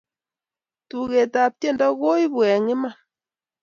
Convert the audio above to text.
tuket ap tiendo koibu eng iman